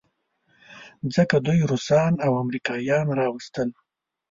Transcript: ځکه دوی روسان او امریکایان راوستل.